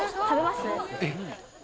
えっ！